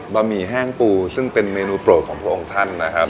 หมี่แห้งปูซึ่งเป็นเมนูโปรดของพระองค์ท่านนะครับ